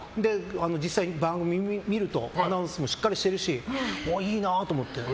実際、番組見るとアナウンスもしっかりしてるしいいなと思って。